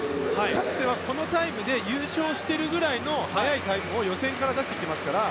かつてはこのタイムで優勝しているくらいの速いタイムを予選から出してきてますから。